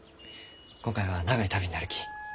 今回は長い旅になるき。